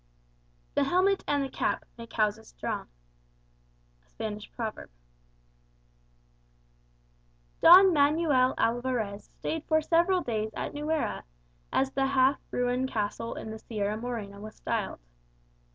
"The helmet and the cap make houses strong" Spanish Proverb Don Manual Alvarez stayed for several days at Nuera, as the half ruined castle in the Sierra Morena was styled.